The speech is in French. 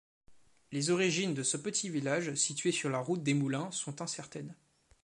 Les origines de ce petit village, situé sur la route des moulins, sont incertaines.